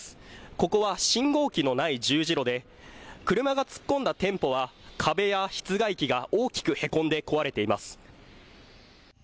ここは信号機のない十字路で車が突っ込んだ店舗は壁や室外機が大きくへこんで壊れています。